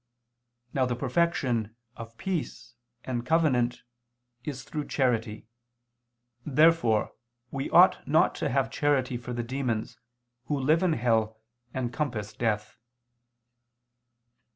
Now the perfection of a peace and covenant is through charity. Therefore we ought not to have charity for the demons who live in hell and compass death.